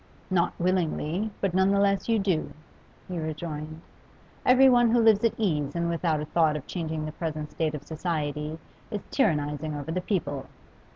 'Not willingly, but none the less you do so,' he rejoined. 'Everyone who lives at ease and without a thought of changing the present state of society is tyrannising over the people.